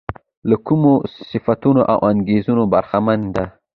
له کومو صفتونو او انګېرنو برخمنه ده.